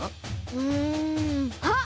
うんあっ！